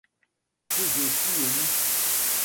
Que je fus émue !